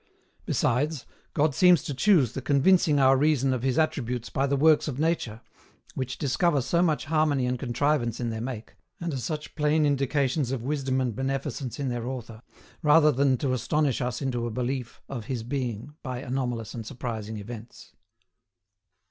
Besides, God seems to choose the convincing our reason of His attributes by the works of nature, which discover so much harmony and contrivance in their make, and are such plain indications of wisdom and beneficence in their Author, rather than to astonish us into a belief of His Being by anomalous and surprising events.